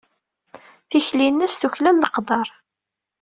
Tikli-nnes tuklal leqder.